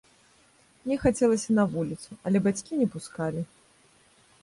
Мне хацелася на вуліцу, але бацькі не пускалі.